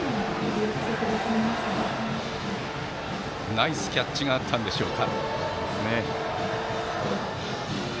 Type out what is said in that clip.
ナイスキャッチがあったんでしょうか。